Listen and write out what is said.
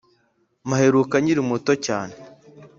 mpaheruka nkiri muto cyane